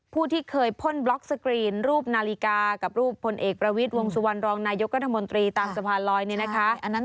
ผู้ที่เคยพ่นบล็อกสกรีนรูปนาฬิกากับรูปผลเอกประวิทวงสุวรรณรองค์นายกรรมนตรีตามสะพานรอย